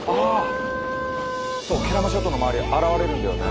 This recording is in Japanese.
そう慶良間諸島の周り現れるんだよね。